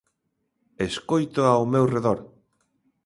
Escoito ao meu redor.